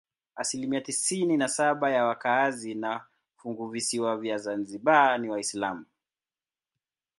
Asilimia tisini na saba ya wakazi wa funguvisiwa vya Zanzibar ni Waislamu.